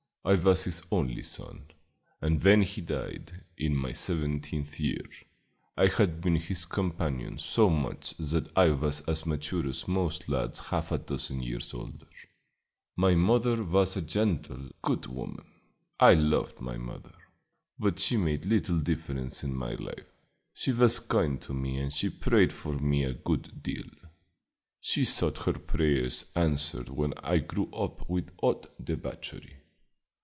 I was his only son, and when he died, in my seventeenth year, I had been his companion so much that I was as mature as most lads half a dozen years older. My mother was a gentle, good woman. I loved my mother, but she made little difference in my life. She was kind to me and she prayed for me a good deal. She thought her prayers answered when I grew up without debauchery.